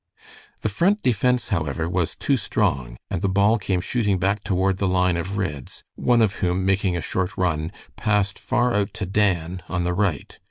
The Front defense, however, was too strong, and the ball came shooting back toward the line of Reds, one of whom, making a short run, passed far out to Dan on the right.